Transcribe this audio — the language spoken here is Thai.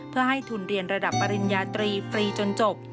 เพื่อให้ทุนเรียนระดับปริญญาตรีฟรีจนจบ